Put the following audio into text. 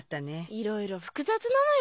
いろいろ複雑なのよ